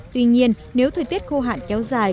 tuy nhiên nếu thời tiết khô hạn kéo dài